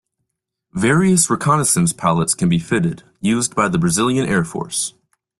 Various reconnaissance pallets can be fitted; used by the Brazilian Air Force.